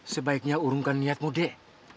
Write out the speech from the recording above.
sebaiknya urungkan niatmu dek